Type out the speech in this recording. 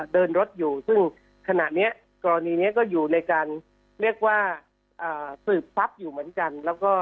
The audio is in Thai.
เดินรถอยู่ซึ่งขณะนี้กรณีนี้ก็อยู่ในการเรียกว่าสืบทรัพย์อยู่เหมือนกันแล้วก็